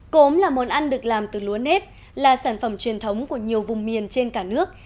cốm là món ăn được làm từ lúa nếp là sản phẩm truyền thống của nhiều vùng miền trên cả nước